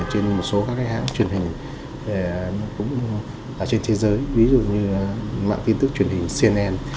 trên một số các hãng truyền hình trên thế giới ví dụ như mạng tin tức truyền hình cnn